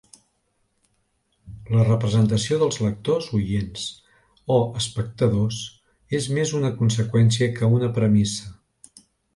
La representació dels lectors, oients o espectadors és més una conseqüència que una premissa.